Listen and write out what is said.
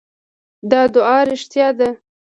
دا ادعا رښتیا ده.